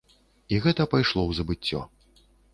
І гэта пайшло ў забыццё.